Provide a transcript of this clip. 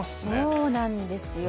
そうなんですよ。